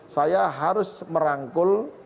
saya harus merangkul